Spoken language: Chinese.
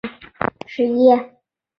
利尚叙纳。